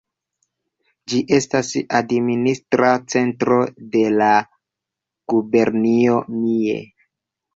Ĝi estas administra centro de la gubernio Mie.